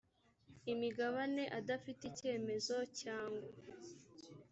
imigabane adafite icyemezo cyangwa